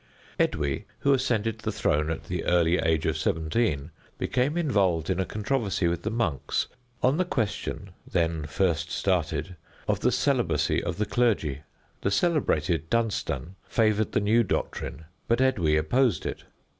Edwy, who ascended the throne at the early age of seventeen, became involved in a controversy with the monks on the question, then first started, of the celibacy of the clergy. The celebrated Dunstan favored the new doctrine, but Edwy opposed it.